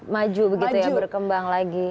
maju begitu ya berkembang lagi